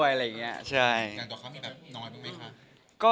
การต่อเขามีนอนหรือไงคะ